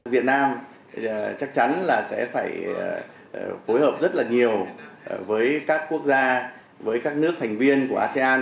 việt nam chắc chắn là sẽ phải phối hợp rất là nhiều với các quốc gia với các nước thành viên của asean